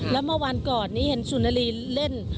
แล้วเมื่อวานก่อนนี้เห็นสุนารีเล่น